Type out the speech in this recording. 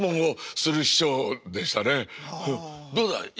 「どうだい？